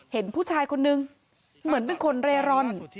เห็นผู้ชายคนนึงเหมือนเป็นคนเร่ร่อน